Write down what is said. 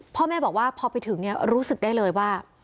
พ่อแม่บอกว่าพอไปถึงเนี่ยรู้สึกได้เลยว่า